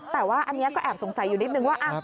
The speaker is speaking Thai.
แต่ว่าอันนี้ก็แอบสงสัยอยู่นิดนึงว่า